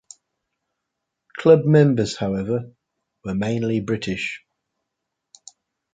Club members however, were mainly British.